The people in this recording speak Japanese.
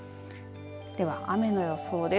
では雨の予想です。